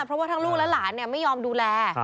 เพราะว่าทั้งลูกและหลานไม่ยอมดูแล